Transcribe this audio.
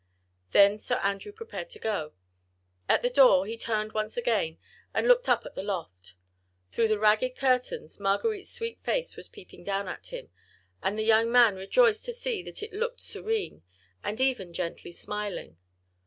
Then Sir Andrew prepared to go. At the door he turned once again and looked up at the loft. Through the ragged curtains Marguerite's sweet face was peeping down at him, and the young man rejoiced to see that it looked serene, and even gently smiling.